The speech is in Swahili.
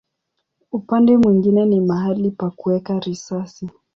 Upande mwingine ni mahali pa kuweka risasi.